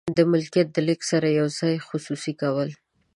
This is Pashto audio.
د ملکیت د لیږد سره یو ځای خصوصي کول.